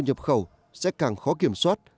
nhập khẩu sẽ càng khó kiểm soát